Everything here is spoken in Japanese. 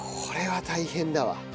これは大変だわ。